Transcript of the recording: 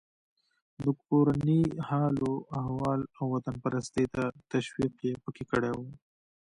د کورني حال و احوال او وطنپرستۍ ته تشویق یې پکې کړی و.